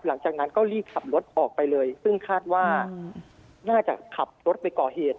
หลังจากนั้นก็รีบขับรถออกไปเลยซึ่งคาดว่าน่าจะขับรถไปก่อเหตุ